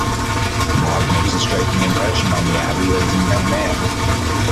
Maude makes a striking impression on the abbey-raised young man.